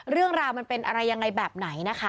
เรื่องราวมันเป็นอะไรยังไงแบบไหนนะคะ